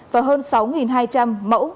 và hơn sáu hai trăm linh mẫu